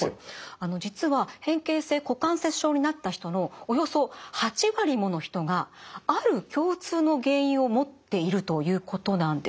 実は変形性股関節症になった人のおよそ８割もの人がある共通の原因を持っているということなんです。